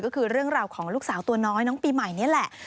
ก็คือเรื่องราวของลูกสาวตัวน้อยน้องปีใหม่นี่แหละ